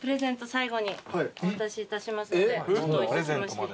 最後にお渡しいたしますのでちょっと置いときまして。